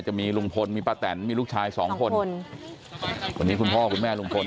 จะมีลุงพลมีป้าแตนมีลูกชายสองคนวันนี้คุณพ่อคุณแม่ลุงพล